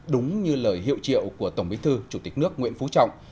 đúng như lời hiệu triệu của tổng bí thư chủ tịch nước nguyễn phú trọng